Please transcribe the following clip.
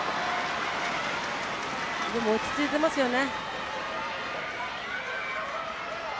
でも落ち着いてますよね。